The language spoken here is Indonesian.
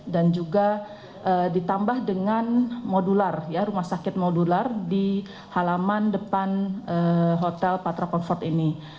dan juga ditambah dengan rumah sakit modular di halaman depan hotel patra comfort ini